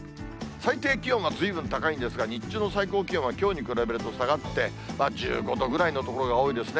最低気温はずいぶん高いんですが、日中の最高気温はきょうに比べると下がって、１５度ぐらいの所が多いですね。